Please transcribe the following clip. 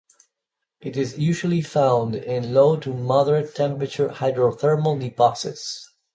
It is usually found in low to moderate temperature hydrothermal deposits.